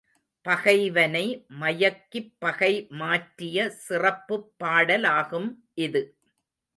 பகைவனை மயக்கிப் பகை மாற்றிய சிறப்புப் பாடலாகும் இது.